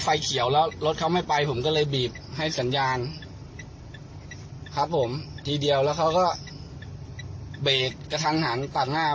ไฟเขาไม่ไปผมก็เลยบีบให้สัญญาณครับผมทีเดียวแล้วเขาก็เบรกกระทั่งหันตัดหน้า